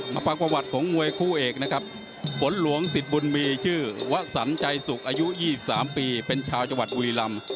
มาฟังประวัติของมวยคู่เอกนะครับฝนหลวงสิทธิ์บุญมีชื่อวะสันใจสุขอายุ๒๓ปีเป็นชาวจังหวัดบุรีลำ